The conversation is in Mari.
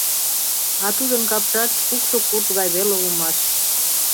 А тудын капшат кукшо курш гай веле улмаш.